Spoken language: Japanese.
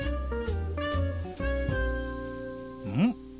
うん？